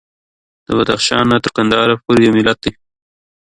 د بدخشان نه تر قندهار پورې یو ملت دی.